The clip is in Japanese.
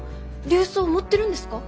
琉装持ってるんですか？